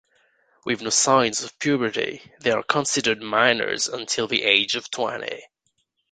With no signs of puberty, they are considered minors until the age of twenty.